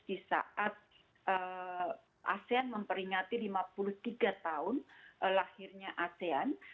di saat asean memperingati lima puluh tiga tahun lahirnya asean